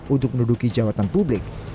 untuk menuduki jawatan publik